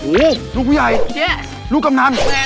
โหลูกใหญ่ลูกกำนัน